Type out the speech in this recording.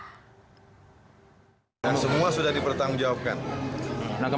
dan semua sudah dipertanggungjawabkan